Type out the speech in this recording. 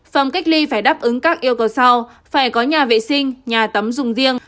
phòng cách ly phải đáp ứng các yêu cầu sau phải có nhà vệ sinh nhà tắm dùng riêng